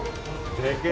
でけえ。